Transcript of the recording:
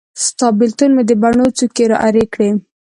ستا بیلتون مې د بڼو څوکي ارې کړې